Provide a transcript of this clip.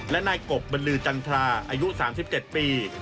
และนายกบบรรลือจันทราอายุ๓๗ปี